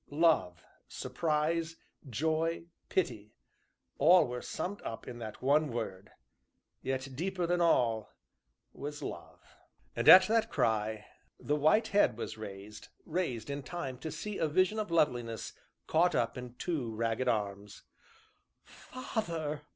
Love, surprise, joy, pity all were summed up in that one short word yet deeper than all was love. And, at that cry, the white head was raised, raised in time to see a vision of loveliness caught up in two ragged arms. "Father!"